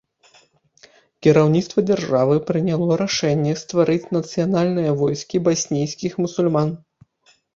Кіраўніцтва дзяржавы прыняло рашэнне стварыць нацыянальныя войскі баснійскіх мусульман.